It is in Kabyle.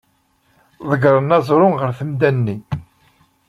Ḍeggren aẓru ɣer temda-nni.